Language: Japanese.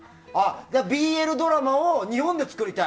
ＢＬドラマを日本で作りたい。